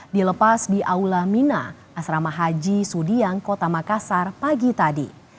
dilepas di aula mina asrama haji sudiang kota makassar pagi tadi